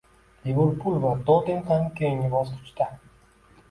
“Liverpul” va “Tottenhem” keyingi bosqichda